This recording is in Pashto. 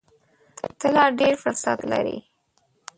ته لا ډېر فرصت لرې !